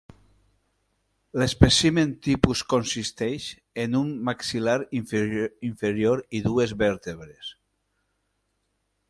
L'espècimen tipus consisteix en un maxil·lar inferior i dues vèrtebres.